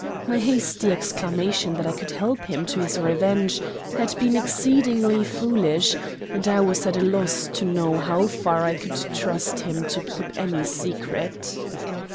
My hasty exclamation that I could help him to his revenge had been exceedingly foolish, and I was at a loss to know how far I could trust him to keep any secret.